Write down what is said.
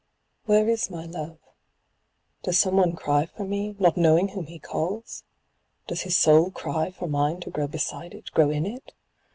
Where is my love? Does some one cry for me, not knowing whom he calls? does his soul cry for mine to grow beside it, grow in it?